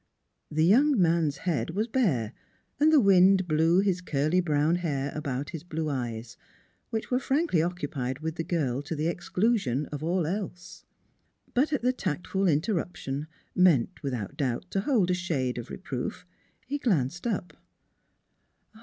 The young man's head was bare and the wind 138 NEIGHBORS 139 blew his curly brown hair about his blue eyes, which were frankly occupied with the girl to the exclusion of all else. But at the tactful interrup tion meant without doubt to hold a shade of re proof he glanced up.